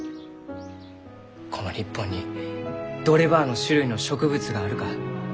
この日本にどればあの種類の植物があるか。